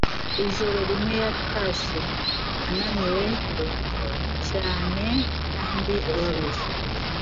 Ijoro rimwe yatashye ananiwe cyane kandi ababaye.